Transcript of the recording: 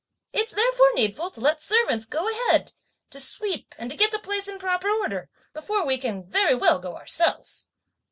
It's therefore needful to let servants go ahead to sweep and get the place in proper order, before we can very well go ourselves."